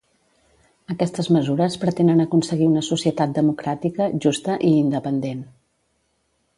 Aquestes mesures pretenen aconseguir una societat democràtica, justa i independent.